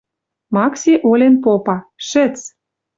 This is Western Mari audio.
Макси олен попа: «Шӹц...»